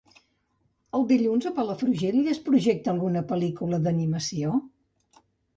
El dilluns a Palafrugell es projecta alguna pel·lícula d'animació?